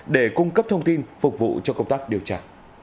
để cung cấp thông tin phục vụ cho công tác điều tra